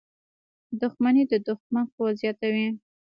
• دښمني د دوښمن قوت زیاتوي.